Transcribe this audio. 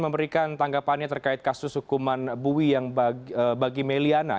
memberikan tanggapannya terkait kasus hukuman bui yang bagi meliana